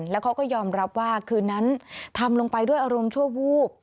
แล้วเขาก็ยอมรับว่าคืนนั้นทำลงไปด้วยอารมณ์ชั่ววูบ